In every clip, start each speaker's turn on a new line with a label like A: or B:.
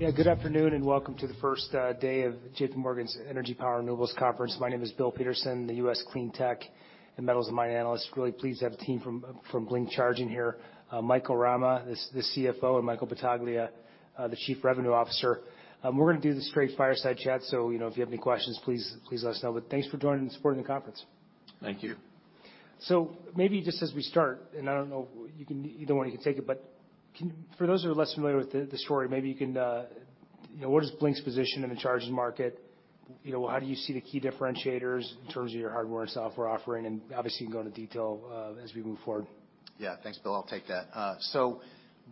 A: Good afternoon, welcome to the first day of J.P. Morgan's Energy Power Renewables Conference. My name is Bill Peterson, the U.S. Clean Tech and Metals & Mining Analyst. Really pleased to have a team from Blink Charging here. Michael Rama, the CFO, and Michael Battaglia, the Chief Revenue Officer. We're gonna do the straight fireside chat, you know, if you have any questions, please let us know. Thanks for joining and supporting the conference.
B: Thank you.
A: Maybe just as we start, and I don't know, either one of you can take it, but can. For those who are less familiar with the story, maybe you can, you know, what is Blink's position in the charging market? You know, how do you see the key differentiators in terms of your hardware and software offering? Obviously, you can go into detail as we move forward.
B: Yeah. Thanks, Bill. I'll take that.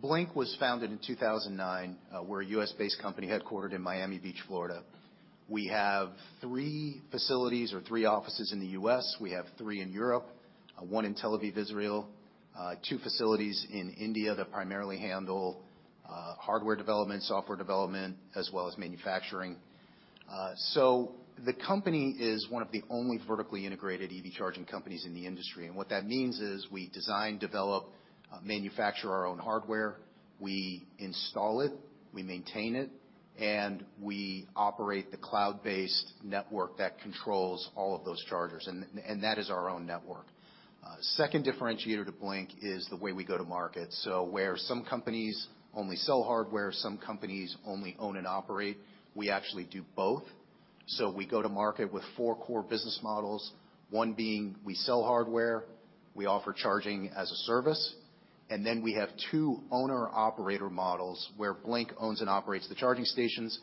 B: Blink was founded in 2009. We're a U.S.-based company, headquartered in Miami Beach, Florida. We have three facilities or three offices in the U.S. We have three in Europe, one in Tel Aviv, Israel, two facilities in India that primarily handle hardware development, software development, as well as manufacturing. The company is one of the only vertically integrated EV charging companies in the industry, and what that means is we design, develop, manufacture our own hardware, we install it, we maintain it, and we operate the cloud-based network that controls all of those chargers, and that is our own network. Second differentiator to Blink is the way we go to market. Where some companies only sell hardware, some companies only own and operate, we actually do both. We go to market with four core business models, one being, we sell hardware, we offer charging as a service, and then we have two owner-operator models where Blink owns and operates the charging stations.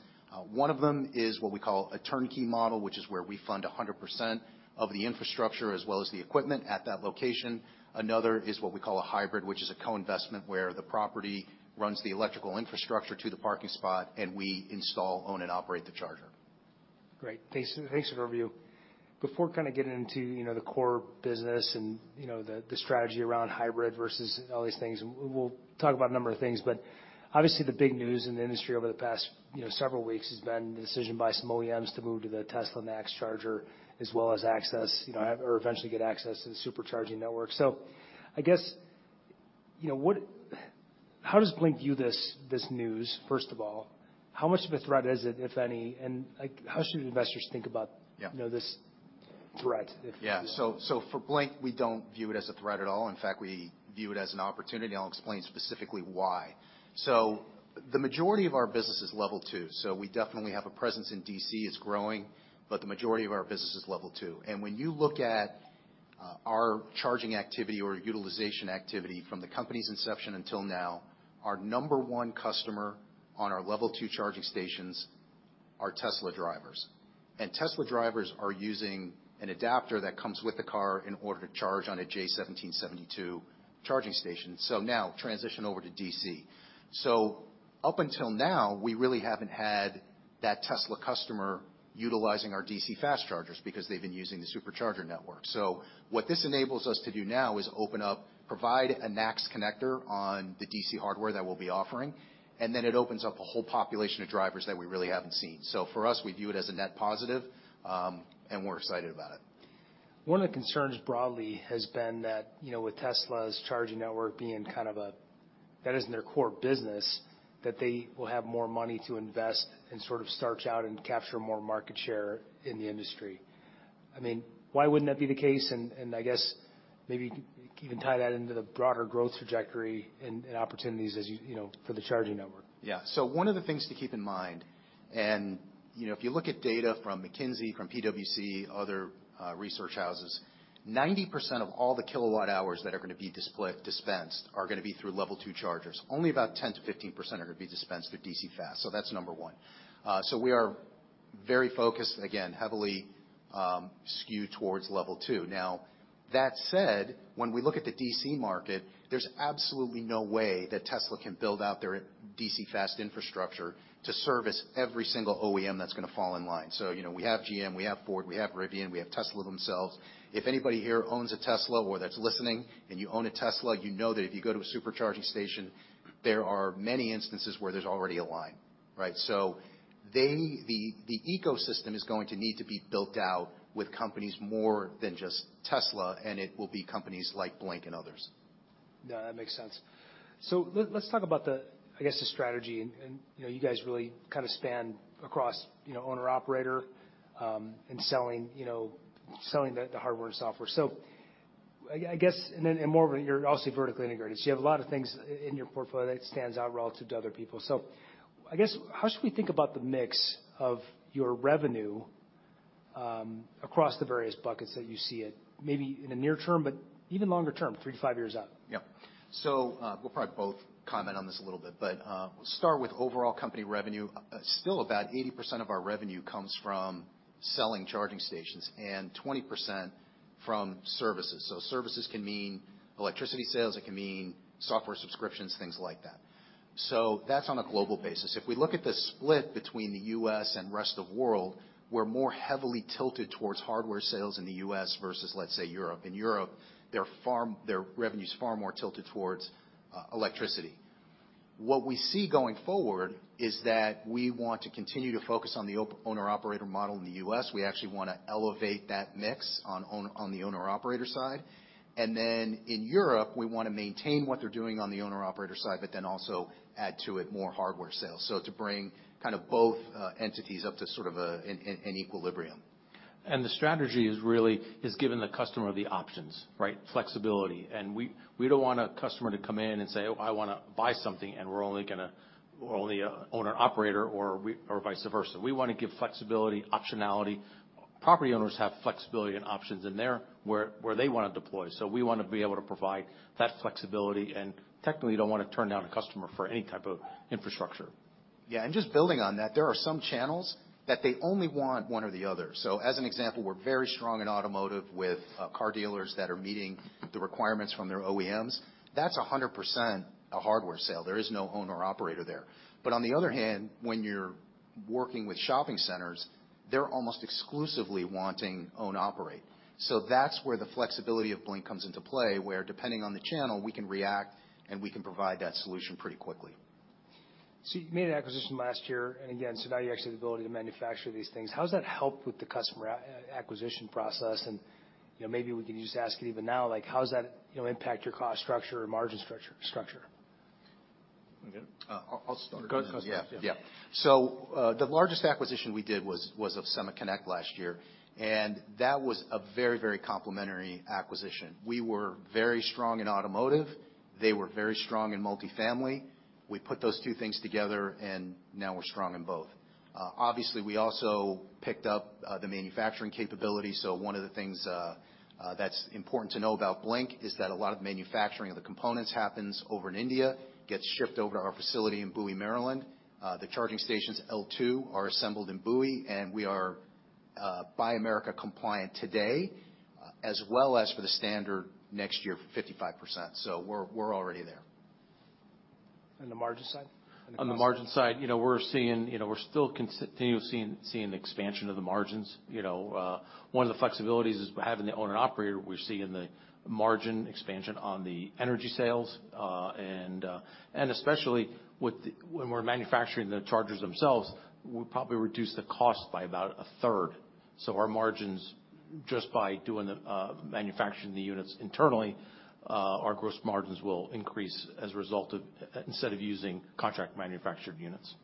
B: One of them is what we call a turnkey model, which is where we fund 100% of the infrastructure as well as the equipment at that location. Another is what we call a hybrid, which is a co-investment, where the property runs the electrical infrastructure to the parking spot, and we install, own, and operate the charger.
A: Great. Thanks for the overview. Before kinda getting into, you know, the core business and, you know, the strategy around hybrid versus all these things, and we'll talk about a number of things, but obviously the big news in the industry over the past, you know, several weeks has been the decision by some OEMs to move to the Tesla NACS charger, as well as access, you know, or eventually get access to the Supercharging Network. I guess, you know, how does Blink view this news, first of all? How much of a threat is it, if any, and, like, how should investors think about-
B: Yeah....
A: you know, this threat.
B: Yeah. For Blink, we don't view it as a threat at all. In fact, we view it as an opportunity, and I'll explain specifically why. The majority of our business is Level 2, so we definitely have a presence in DC. It's growing, but the majority of our business is Level 2. When you look at our charging activity or utilization activity from the company's inception until now, our number one customer on our Level 2 charging stations are Tesla drivers. Tesla drivers are using an adapter that comes with the car in order to charge on a J1772 charging station. Now transition over to DC. Up until now, we really haven't had that Tesla customer utilizing our DC fast chargers because they've been using the Supercharger network. What this enables us to do now is open up, provide a NACS connector on the DC hardware that we'll be offering, and then it opens up a whole population of drivers that we really haven't seen. For us, we view it as a net positive, and we're excited about it.
A: One of the concerns broadly has been that, you know, with Tesla's charging network being kind of a, that isn't their core business, that they will have more money to invest and sort of branch out and capture more market share in the industry. I mean, why wouldn't that be the case? I guess maybe you can tie that into the broader growth trajectory and opportunities as you know, for the charging network.
B: Yeah. One of the things to keep in mind, and, you know, if you look at data from McKinsey, from PwC, other research houses, 90% of all the kilowatt hours that are gonna be dispensed are gonna be through Level 2 chargers. Only about 10%-15% are gonna be dispensed through DC fast. That's number one. We are very focused, again, heavily skewed towards Level 2. Now, that said, when we look at the DC market, there's absolutely no way that Tesla can build out their DC fast infrastructure to service every single OEM that's gonna fall in line. You know, we have GM, we have Ford, we have Rivian, we have Tesla themselves. If anybody here owns a Tesla or that's listening, and you own a Tesla, you know that if you go to a supercharging station, there are many instances where there's already a line, right? The ecosystem is going to need to be built out with companies more than just Tesla, and it will be companies like Blink and others.
A: Yeah, that makes sense. Let's talk about the, I guess, the strategy and, you know, you guys really kinda span across, you know, owner, operator, and selling, you know, selling the hardware and software. I guess, and then, and more you're also vertically integrated. You have a lot of things in your portfolio that stands out relative to other people. I guess, how should we think about the mix of your revenue, across the various buckets that you see it, maybe in the near term, but even longer term, three to five years out?
B: Yeah. We'll probably both comment on this a little bit. We'll start with overall company revenue. Still, about 80% of our revenue comes from selling charging stations and 20% from services. Services can mean electricity sales, it can mean software subscriptions, things like that. That's on a global basis. If we look at the split between the U.S. and rest of world, we're more heavily tilted towards hardware sales in the U.S. versus, let's say, Europe. In Europe, their revenue is far more tilted towards electricity. What we see going forward is that we want to continue to focus on the owner/operator model in the U.S. We actually wanna elevate that mix on the owner/operator side. In Europe, we want to maintain what they're doing on the owner/operator side, also add to it more hardware sales. To bring kind of both entities up to sort of an equilibrium.
C: The strategy is really giving the customer the options, right? Flexibility. We don't want a customer to come in and say, "Oh, I wanna buy something," and we're only a owner-operator, or vice versa. We wanna give flexibility, optionality. Property owners have flexibility and options in there, where they wanna deploy. We wanna be able to provide that flexibility, and technically, don't wanna turn down a customer for any type of infrastructure.
B: Just building on that, there are some channels that they only want one or the other. As an example, we're very strong in automotive with car dealers that are meeting the requirements from their OEMs. That's 100% a hardware sale. There is no owner-operator there. On the other hand, when you're working with shopping centers, they're almost exclusively wanting own operate. That's where the flexibility of Blink comes into play, where depending on the channel, we can react, and we can provide that solution pretty quickly.
A: You made an acquisition last year, and again, so now you actually have the ability to manufacture these things. How has that helped with the customer acquisition process? You know, maybe we can just ask it even now, like, how does that, you know, impact your cost structure or margin structure?
C: You want to get it?
B: I'll start.
C: Go ahead.
B: Yeah, yeah. The largest acquisition we did was of SemaConnect last year, and that was a very complimentary acquisition. We were very strong in automotive; they were very strong in multifamily. We put those two things together, now we're strong in both. Obviously, we also picked up the manufacturing capability, so one of the things that's important to know about Blink is that a lot of manufacturing of the components happens over in India, gets shipped over to our facility in Bowie, Maryland. The charging stations, L2, are assembled in Bowie, and we are Buy America compliant today, as well as for the standard next year for 55%. We're already there.
A: The margin side?
C: On the margin side, you know, we're seeing. You know, we're still continually seeing the expansion of the margins. You know, one of the flexibilities is by having the owner-operator, we're seeing the margin expansion on the energy sales. Especially when we're manufacturing the chargers themselves, we'll probably reduce the cost by about 1/3. Our margins, just by doing the manufacturing the units internally, our gross margins will increase as a result instead of using contract manufactured units.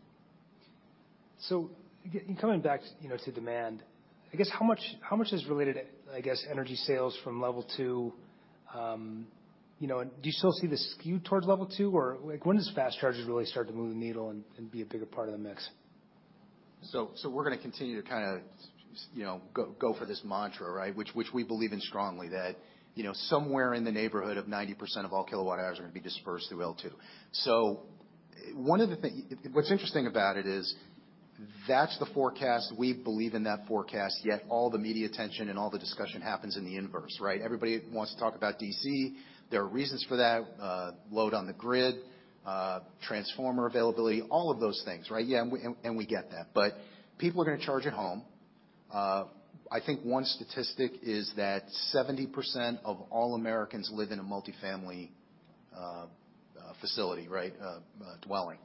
A: Coming back, you know, to demand, I guess, how much is related to, I guess, energy sales from Level 2? You know, do you still see the skew towards Level 2, or like, when does fast chargers really start to move the needle and be a bigger part of the mix?
B: We're gonna continue to kind of, you know, go for this mantra, right? Which we believe in strongly, that, you know, somewhere in the neighborhood of 90% of all kilowatt hours are gonna be dispersed through L2. What's interesting about it is that's the forecast. We believe in that forecast, yet all the media attention and all the discussion happens in the inverse, right? Everybody wants to talk about DC. There are reasons for that, load on the grid, transformer availability, all of those things, right? Yeah, we get that. People are gonna charge at home. I think one statistic is that 70% of all Americans live in a multifamily facility, right, dwelling.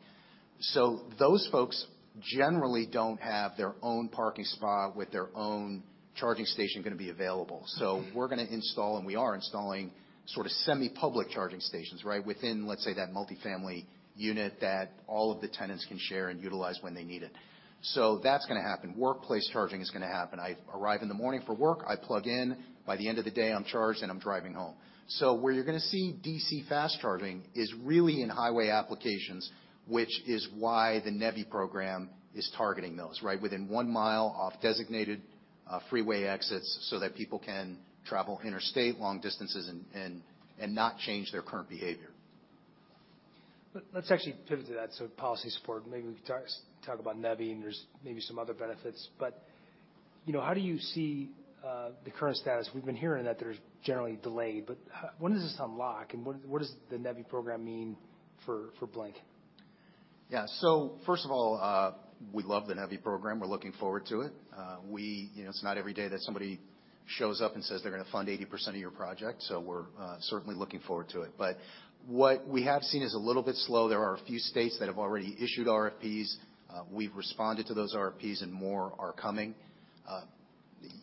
B: Those folks generally don't have their own parking spot with their own charging station gonna be available. We're gonna install, and we are installing sort of semi-public charging stations, right, within, let's say, that multifamily unit that all of the tenants can share and utilize when they need it. That's gonna happen. Workplace charging is gonna happen. I arrive in the morning for work, I plug in. By the end of the day, I'm charged, and I'm driving home. Where you're gonna see DC fast charging is really in highway applications, which is why the NEVI program is targeting those, right? Within 1 mi off designated freeway exits so that people can travel interstate, long distances and not change their current behavior.
A: Let's actually pivot to that, so policy support, and maybe we can talk about NEVI, and there's maybe some other benefits. You know, how do you see the current status? We've been hearing that there's generally delay. When does this unlock, and what does the NEVI program mean for Blink?
B: Yeah. First of all, we love the NEVI program. We're looking forward to it. you know, it's not every day that somebody shows up and says they're gonna fund 80% of your project, so we're certainly looking forward to it. What we have seen is a little bit slow. There are a few states that have already issued RFPs. We've responded to those RFPs, and more are coming.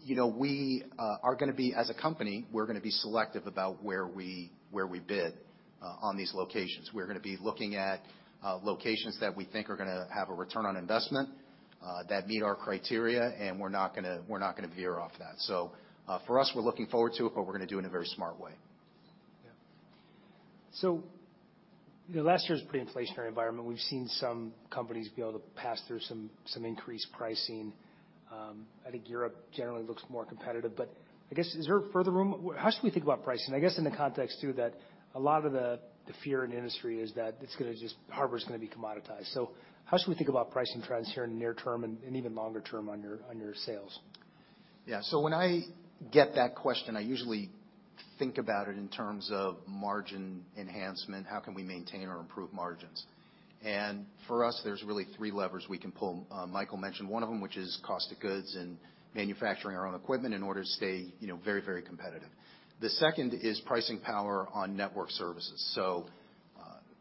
B: You know, we are gonna be, as a company, we're gonna be selective about where we, where we bid, on these locations. We're gonna be looking at, locations that we think are gonna have a ROI, that meet our criteria, and we're not gonna, we're not gonna veer off that. For us, we're looking forward to it, but we're gonna do it in a very smart way.
A: Yeah. You know, last year's pre-inflationary environment, we've seen some companies be able to pass through some increased pricing. I think Europe generally looks more competitive, but I guess, is there further room? How should we think about pricing? I guess in the context, too, that a lot of the fear in the industry is that hardware is gonna be commoditized. How should we think about pricing trends here in the near term and even longer term on your, on your sales?
B: Yeah. When I get that question, I usually think about it in terms of margin enhancement, how can we maintain or improve margins? For us, there's really three levers we can pull. Michael mentioned one of them, which is cost of goods and manufacturing our own equipment in order to stay, you know, very, very competitive. The second is pricing power on network services.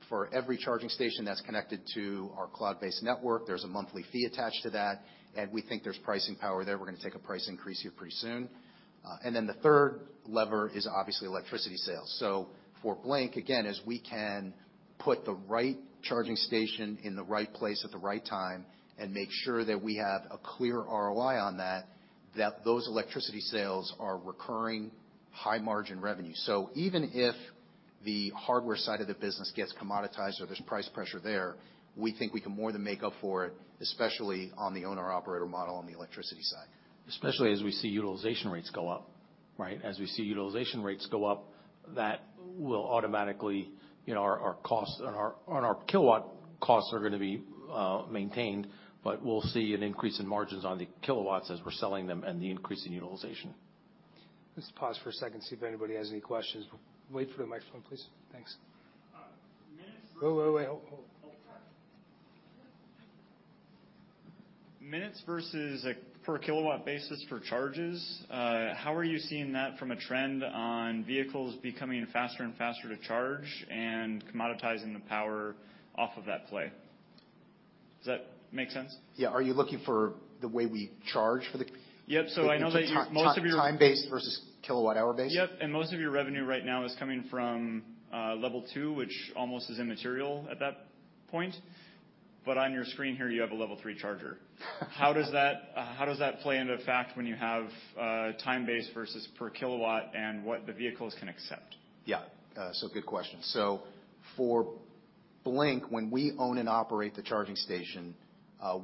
B: For every charging station that's connected to our cloud-based network, there's a monthly fee attached to that, and we think there's pricing power there. We're gonna take a price increase here pretty soon. Then the third lever is obviously electricity sales. For Blink, again. As we can put the right charging station in the right place at the right time, make sure that we have a clear ROI on that those electricity sales are recurring high-margin revenue. Even if the hardware side of the business gets commoditized or there's price pressure there, we think we can more than make up for it, especially on the owner-operator model on the electricity side.
C: Especially as we see utilization rates go up, right? As we see utilization rates go up, that will automatically, you know, our costs on our kilowatt costs are gonna be maintained, but we'll see an increase in margins on the kilowatts as we're selling them and the increase in utilization.
A: Let's pause for a second, see if anybody has any questions. Wait for the microphone, please. Thanks.
D: Minutes-
A: Wait, wait. Hold, hold.
D: Minutes versus a per kilowatt basis for charges, how are you seeing that from a trend on vehicles becoming faster and faster to charge and commoditizing the power off of that play? Does that make sense?
B: Yeah. Are you looking for the way we charge for the-
D: Yep. I know that most of your-
B: Time-based versus kilowatt-hour basis?
D: Yep. Most of your revenue right now is coming from, Level 2, which almost is immaterial at that point. On your screen here, you have a Level 3 charger. How does that play into fact when you have, time-based versus per kilowatt and what the vehicles can accept?
B: Good question. For Blink, when we own and operate the charging station,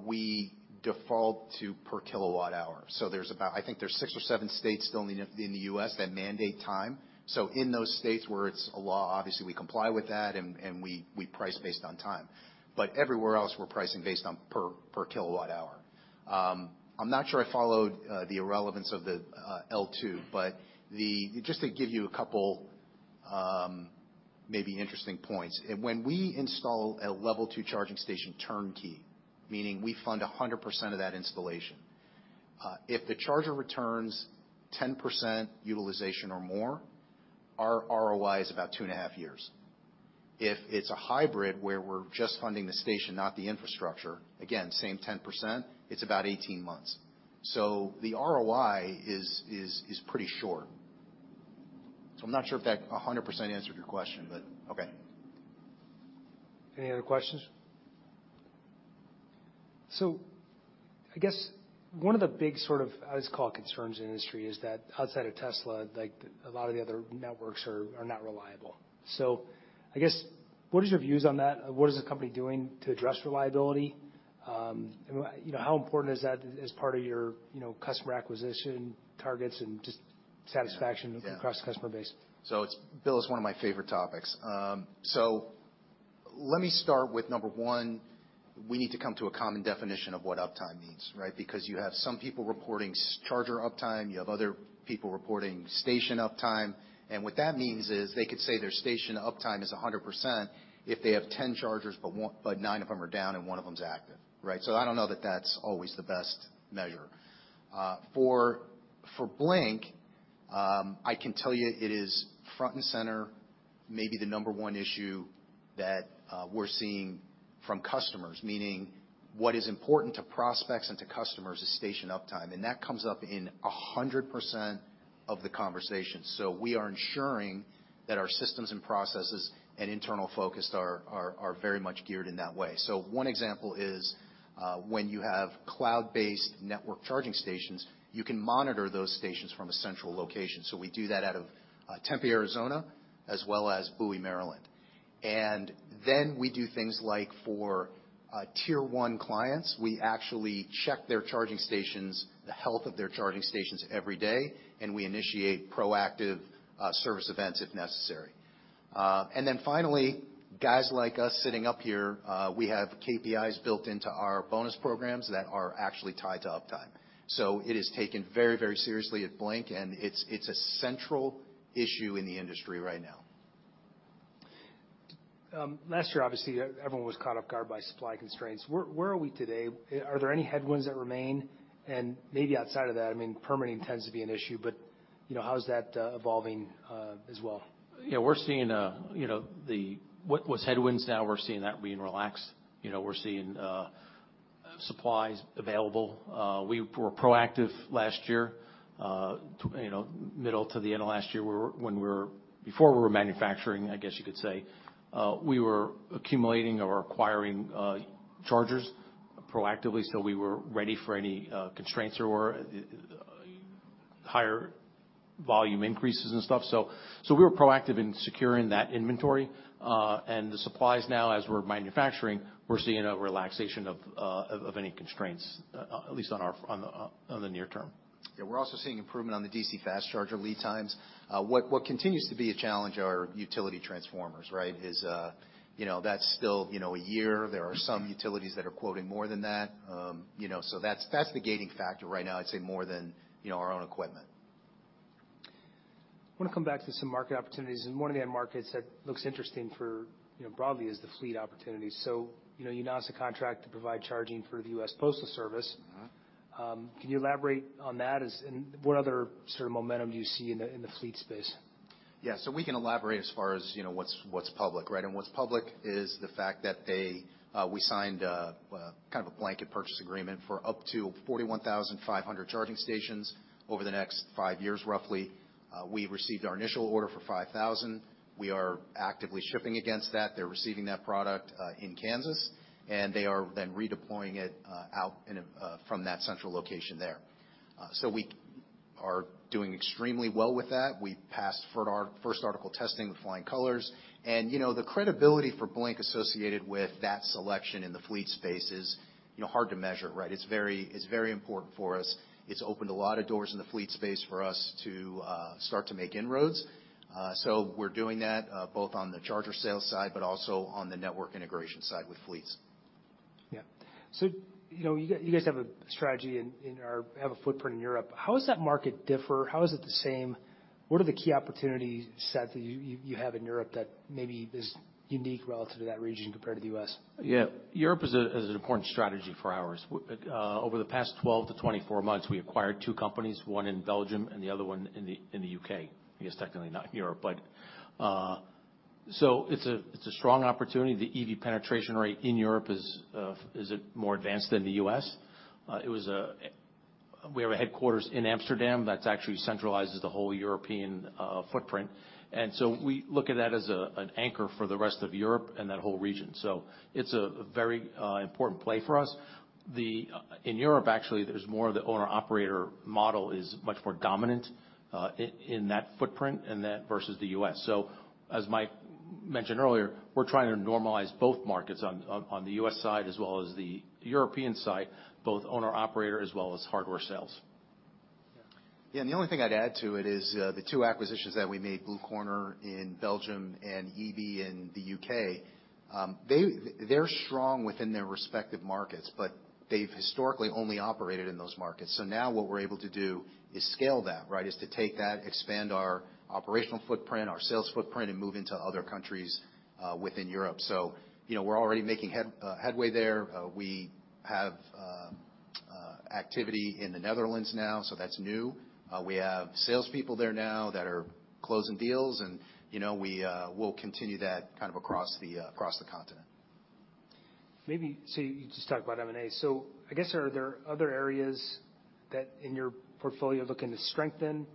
B: we default to per kilowatt hour. There's about... I think there's six or seven states still in the U.S. that mandate time. In those states where it's a law, obviously, we comply with that, and we price based on time. Everywhere else, we're pricing based on per kilowatt hour. I'm not sure I followed the irrelevance of the L2, but just to give you a couple, maybe interesting points. When we install a Level 2 charging station turnkey, meaning we fund 100% of that installation, if the charger returns 10% utilization or more, our ROI is about two and a half years. If it's a hybrid where we're just funding the station, not the infrastructure, again, same 10%, it's about 18 months. The ROI is pretty short. I'm not sure if that 100% answered your question, but okay.
A: Any other questions? I guess one of the big sort of, I always call it concerns in the industry, is that outside of Tesla, like, a lot of the other networks are not reliable. I guess, what is your views on that? What is the company doing to address reliability? you know, how important is that as part of your, you know, customer acquisition targets and just satisfaction?
B: Yeah.
A: Across the customer base?
B: Bill, it's one of my favorite topics. Let me start with, number one we need to come to a common definition of what uptime means, right? Because you have some people reporting charger uptime, you have other people reporting station uptime. What that means is they could say their station uptime is 100% if they have 10 chargers, but nine of them are down and one of them is active, right? I don't know that that's always the best measure. For Blink, I can tell you it is front and center, maybe the number one issue that we're seeing from customers. Meaning, what is important to prospects and to customers is station uptime, and that comes up in 100% of the conversation. We are ensuring that our systems and processes and internal focus are very much geared in that way. One example is, when you have cloud-based network charging stations, you can monitor those stations from a central location. We do that out of Tempe, Arizona, as well as Bowie, Maryland. We do things like for tier one clients, we actually check their charging stations, the health of their charging stations every day, and we initiate proactive service events if necessary. Finally, guys like us sitting up here, we have KPIs built into our bonus programs that are actually tied to uptime. It is taken very, very seriously at Blink, and it's a central issue in the industry right now.
A: Last year, obviously, everyone was caught off guard by supply constraints. Where are we today? Are there any headwinds that remain? Maybe outside of that, I mean, permitting tends to be an issue, but, you know, how is that evolving as well?
C: We're seeing, you know, what was headwinds, now we're seeing that being relaxed. You know, we're seeing supplies available. We were proactive last year, you know, middle to the end of last year, where before we were manufacturing, I guess you could say, we were accumulating or acquiring chargers proactively, so we were ready for any constraints or higher volume increases and stuff. We were proactive in securing that inventory, and the supplies now, as we're manufacturing, we're seeing a relaxation of any constraints, at least on the near term.
B: We're also seeing improvement on the DC fast charger lead times. What continues to be a challenge are utility transformers, right? Is, you know, that's still, you know, a year. There are some utilities that are quoting more than that. You know, so that's the gating factor right now, I'd say more than, you know, our own equipment.
A: I want to come back to some market opportunities, one of the markets that looks interesting for, you know, broadly, is the fleet opportunities. You know, you announced a contract to provide charging for the U.S. Postal Service.
B: Mm-hmm.
A: Can you elaborate on that? As in, what other sort of momentum do you see in the, in the fleet space?
B: Yeah. We can elaborate as far as, you know, what's public, right? What's public is the fact that they, we signed a kind of a blanket purchase agreement for up to 41,500 charging stations over the next five years, roughly. We received our initial order for 5,000. We are actively shipping against that. They're receiving that product in Kansas, and they are then redeploying it out in a from that central location there. We are doing extremely well with that. We passed our first article testing with flying colors, you know, the credibility for Blink associated with that selection in the fleet space is, you know, hard to measure, right? It's very important for us. It's opened a lot of doors in the fleet space for us to start to make inroads. We're doing that both on the charger sales side, but also on the network integration side with fleets.
A: Yeah. you know, you guys have a strategy, have a footprint in Europe. How does that market differ? How is it the same? What are the key opportunities set that you have in Europe that maybe is unique relative to that region compared to the U.S.?
C: Yeah. Europe is a, is an important strategy for ours. Over the past 12-24 months, we acquired two companies, one in Belgium and the other one in the, in the U.K. I guess, technically, not Europe, but. It's a, it's a strong opportunity. The EV penetration rate in Europe is more advanced than the U.S. We have a headquarters in Amsterdam that's actually centralizes the whole European footprint. We look at that as a, an anchor for the rest of Europe and that whole region. It's a very important play for us. In Europe, actually, there's more of the owner-operator model is much more dominant in that footprint and that versus the U.S. As Mike mentioned earlier, we're trying to normalize both markets on the U.S. side as well as the European side, both owner-operator as well as hardware sales.
B: The only thing I'd add to it is, the two acquisitions that we made, Blue Corner in Belgium and EB in the U.K., they're strong within their respective markets, but they've historically only operated in those markets. Now what we're able to do is scale that, right? Is to take that, expand our operational footprint, our sales footprint, and move into other countries, within Europe. You know, we're already making headway there. We have activity in the Netherlands now, so that's new. We have salespeople there now that are closing deals, and, you know, we will continue that kind of across the continent.
A: You just talked about M&A. I guess, are there other areas that in your portfolio looking to strengthen?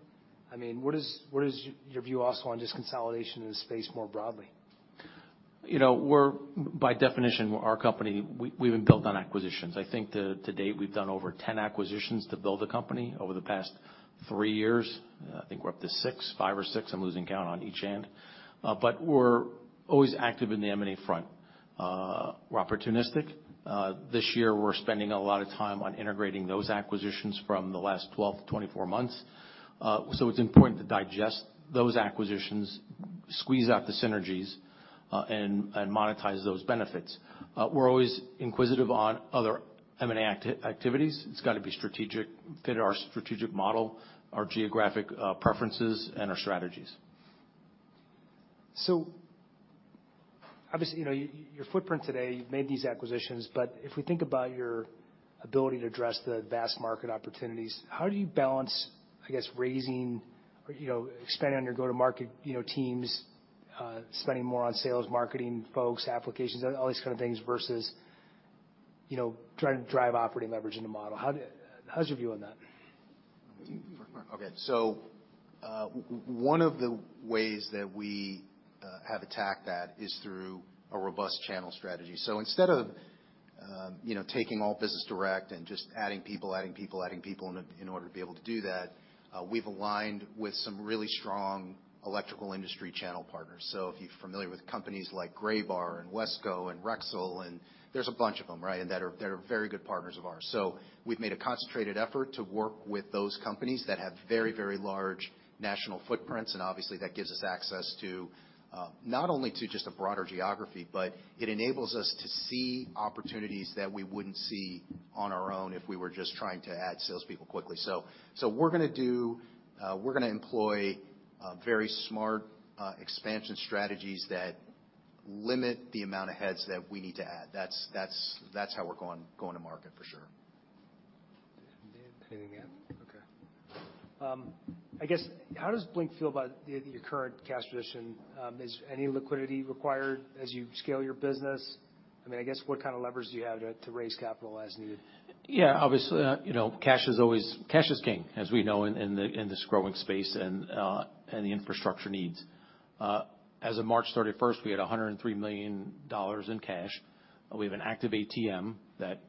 A: I mean, what is your view also on just consolidation in this space more broadly?
C: You know, we're By definition, our company, we've been built on acquisitions. I think to date, we've done over 10 acquisitions to build the company over the past three years. I think we're up to six, five or six. I'm losing count on each hand. We're always active in the M&A front. We're opportunistic. This year, we're spending a lot of time on integrating those acquisitions from the last 12-24 months. It's important to digest those acquisitions, squeeze out the synergies, and monetize those benefits. We're always inquisitive on other M&A activities. It's got to be strategic, fit our strategic model, our geographic, preferences, and our strategies.
A: Obviously, you know, your footprint today, you've made these acquisitions, but if we think about your ability to address the vast market opportunities, how do you balance, I guess, raising or, you know, expanding on your go-to-market, you know, teams, spending more on sales, marketing folks, applications, all these kind of things, versus, you know, trying to drive operating leverage in the model? How's your view on that?
B: Okay. One of the ways that we have attacked that is through a robust channel strategy. Instead of, you know, taking all business direct and just adding people in order to be able to do that, we've aligned with some really strong electrical industry channel partners. If you're familiar with companies like Graybar and WESCO and Rexel, and there's a bunch of them, right? That are very good partners of ours. We've made a concentrated effort to work with those companies that have very large national footprints, and obviously, that gives us access to not only to just a broader geography, but it enables us to see opportunities that we wouldn't see on our own if we were just trying to add salespeople quickly. We're gonna do, we're gonna employ very smart expansion strategies that limit the amount of heads that we need to add. That's how we're going to market for sure.
A: Anything to add? Okay. I guess, how does Blink feel about your current cash position? Is any liquidity required as you scale your business? I mean, I guess, what kind of leverage do you have to raise capital as needed?
C: Yeah, obviously, you know, cash is king, as we know, in this growing space and the infrastructure needs. As of March 31st, we had $103 million in cash. We have an active ATM that,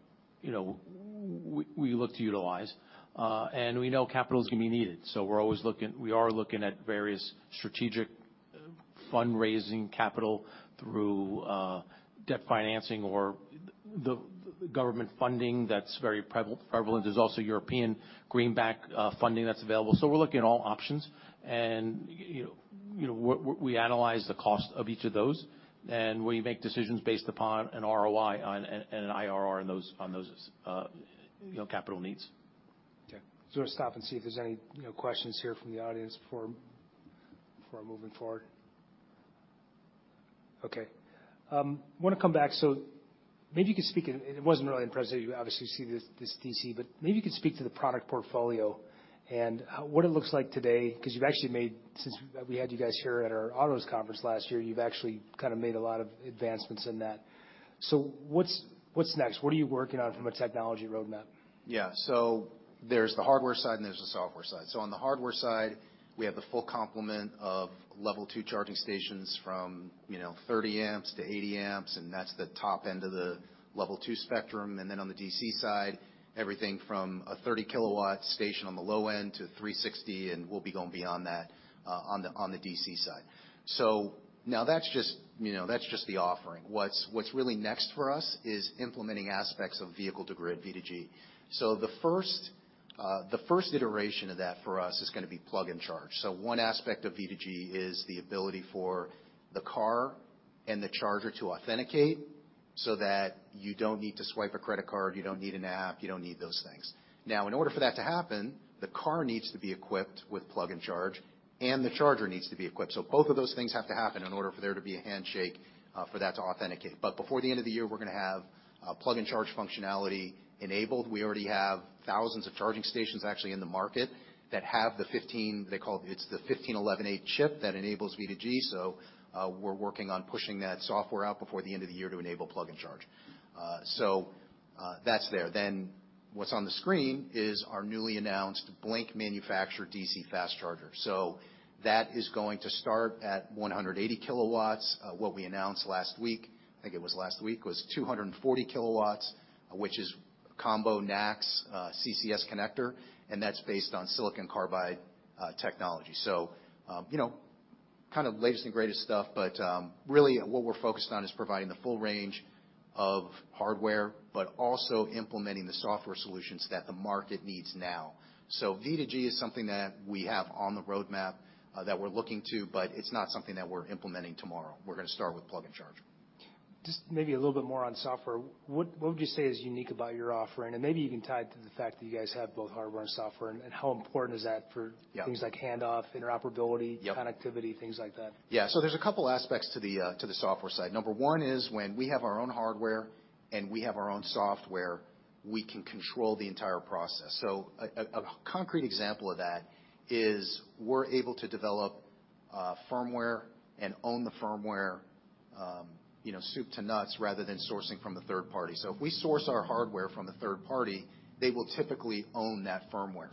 C: you know, we look to utilize, and we know capital is going to be needed, so we are looking at various strategic fundraising capital through debt financing or the government funding that's very prevalent. There's also European Investment Bank funding that's available. We're looking at all options, and you know, we analyze the cost of each of those, and we make decisions based upon an ROI and an IRR on those, you know, capital needs.
A: Okay. Just wanna stop and see if there's any, you know, questions here from the audience before moving forward. Okay. I want to come back. Maybe you could speak, and it wasn't really in the presentation, you obviously see this DC, but maybe you could speak to the product portfolio and what it looks like today, 'cause you've actually made since we had you guys here at our autos conference last year, you've actually kind of made a lot of advancements in that. What's, what's next? What are you working on from a technology roadmap?
B: There's the hardware side, and there's the software side. On the hardware side, we have the full complement of Level 2 charging stations from, you know, 30 amps to 80 amps, and that's the top end of the Level 2 spectrum. Then on the DC side, everything from a 30 kW station on the low end to 360, and we'll be going beyond that on the DC side. Now that's just, you know, that's just the offering. What's really next for us is implementing aspects of vehicle-to-grid, V2G. The first iteration of that for us is gonna be plug-and-charge. One aspect of V2G is the ability for the car and the charger to authenticate so that you don't need to swipe a credit card, you don't need an app, you don't need those things. In order for that to happen, the car needs to be equipped with plug-and-charge, and the charger needs to be equipped. Both of those things have to happen in order for there to be a handshake for that to authenticate. Before the end of the year, we're gonna have plug-and-charge functionality enabled. We already have thousands of charging stations actually in the market that have the 15118 chip that enables V2G, so we're working on pushing that software out before the end of the year to enable plug-and-charge. That's there. What's on the screen is our newly announced Blink manufactured DC fast charger. That is going to start at 180 kW. What we announced last week, I think it was last week, was 240 kW, which is combo NACS, CCS connector, and that's based on silicon carbide technology. You know, kind of latest and greatest stuff, but really, what we're focused on is providing the full range of hardware, but also implementing the software solutions that the market needs now. V2G is something that we have on the roadmap, that we're looking to, but it's not something that we're implementing tomorrow. We're gonna start with plug-and-charge.
A: Just maybe a little bit more on software. What would you say is unique about your offering? Maybe you can tie it to the fact that you guys have both hardware and software, and how important is that for-
B: Yeah....
A: things like handoff, interoperability.
B: Yep....
A: connectivity, things like that?
B: There's a couple aspects to the software side. Number one is when we have our own hardware and we have our own software, we can control the entire process. A concrete example of that is we're able to develop firmware and own the firmware, you know, soup to nuts, rather than sourcing from a third party. If we source our hardware from a third party, they will typically own that firmware.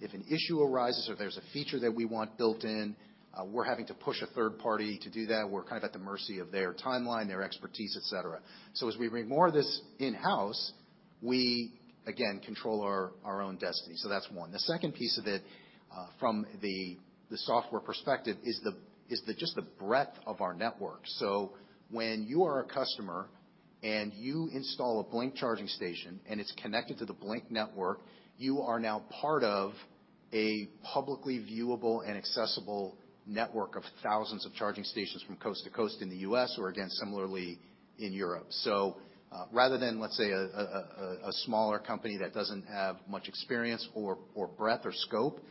B: If an issue arises or there's a feature that we want built in, we're having to push a third party to do that, we're kind of at the mercy of their timeline, their expertise, etc. As we bring more of this in-house, we, again, control our own destiny. That's one. The second piece of it, from the software perspective, is the just the breadth of our network. When you are a customer, and you install a Blink Charging station, and it's connected to the Blink network, you are now part of a publicly viewable and accessible network of thousands of charging stations from coast to coast in the U.S., or again, similarly, in Europe. Rather than, let's say, a smaller company that doesn't have much experience or breadth or scope,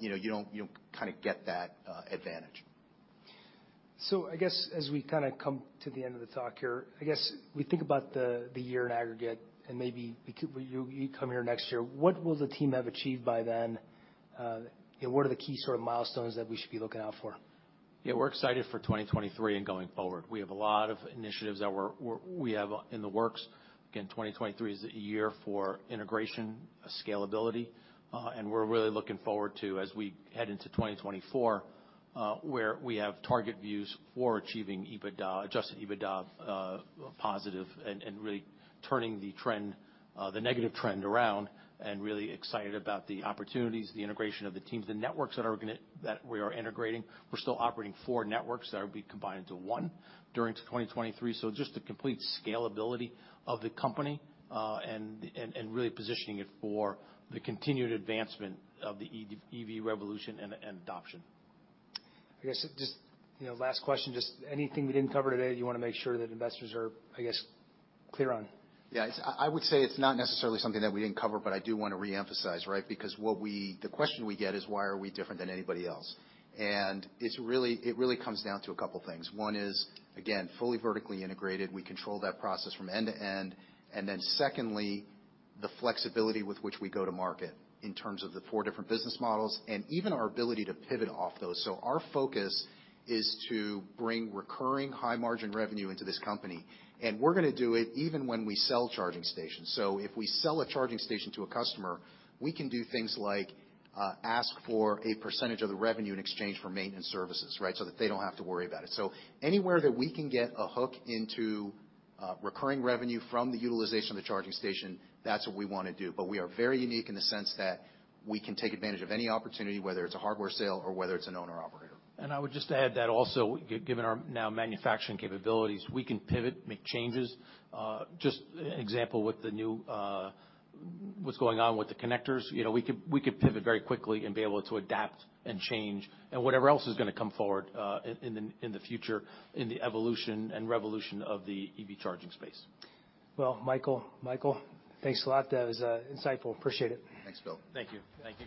B: you know, you kind of get that advantage.
A: I guess as we kinda come to the end of the talk here, I guess we think about the year in aggregate, and maybe you come here next year, what will the team have achieved by then? What are the key sort of milestones that we should be looking out for?
C: We're excited for 2023 and going forward. We have a lot of initiatives that we have in the works. Again, 2023 is a year for integration, scalability, and we're really looking forward to, as we head into 2024, where we have target views for achieving EBITDA, adjusted EBITDA, positive and really turning the trend, the negative trend around, and really excited about the opportunities, the integration of the teams, the networks that we are integrating. We're still operating four networks that will be combined into one during 2023. Just the complete scalability of the company, and really positioning it for the continued advancement of the EV revolution and adoption.
A: I guess, just, you know, last question, just anything we didn't cover today that you wanna make sure that investors are, I guess, clear on?
B: Yeah. I would say it's not necessarily something that we didn't cover, but I do want to reemphasize, right. The question we get is, why are we different than anybody else? It really comes down to a couple things. One is, again, fully vertically integrated. We control that process from end to end. Secondly, the flexibility with which we go to market in terms of the four different business models, and even our ability to pivot off those. Our focus is to bring recurring high-margin revenue into this company, and we're gonna do it even when we sell charging stations. If we sell a charging station to a customer, we can do things like ask for a percentage of the revenue in exchange for maintenance services, right. That they don't have to worry about it. Anywhere that we can get a hook into recurring revenue from the utilization of the charging station, that's what we want to do. We are very unique in the sense that we can take advantage of any opportunity, whether it's a hardware sale or whether it's an owner/operator.
C: I would just add that also, given our now manufacturing capabilities, we can pivot, make changes. Just an example with the new, what's going on with the connectors, you know, we could pivot very quickly and be able to adapt and change and whatever else is gonna come forward in the future, in the evolution and revolution of the EV charging space.
A: Well, Michael, thanks a lot. That was insightful. Appreciate it.
B: Thanks, Bill.
C: Thank you. Thank you.